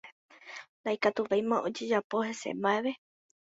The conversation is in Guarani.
Ndaikatuvéima ojejapo hese mbaʼeve.